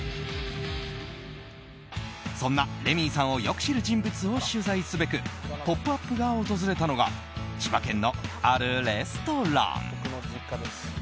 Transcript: そんなレミイさんをよく知る人物を取材すべく「ポップＵＰ！」が訪れたのが千葉県のあるレストラン。